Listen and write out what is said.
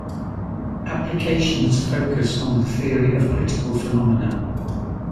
Applications focus on the theory of critical phenomena.